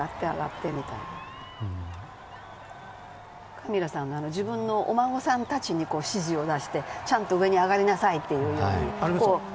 カミラさんが自分のお孫さんたちに指示を出してちゃんと上に上がりなさいというように。